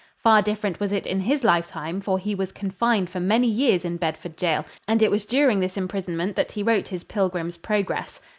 Far different was it in his lifetime, for he was confined for many years in Bedford Jail and it was during this imprisonment that he wrote his "Pilgrim's Progress."